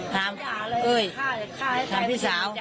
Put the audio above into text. ทำเอ้ยทำพี่สาว